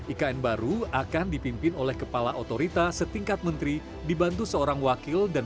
ikn baru akan dipimpin oleh kepala otorita setingkat menteri dibantu seorang wakil dan